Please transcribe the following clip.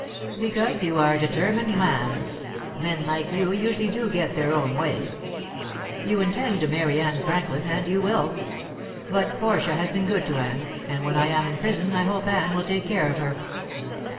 "Because you are a determined man. Men like you usually do get their own way. You intend to marry Anne Franklin and you will. But Portia has been good to Anne, and when I am in prison I hope Anne will take care of her."